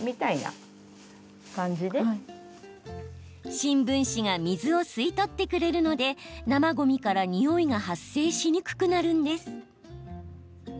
新聞紙が水を吸い取ってくれるので生ごみからニオイが発生しにくくなるんです。